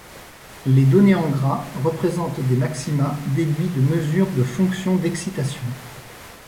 Les données en gras représentent des maxima déduits de mesures de fonctions d'excitation.